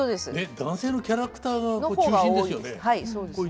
男性のキャラクターが中心ですよね。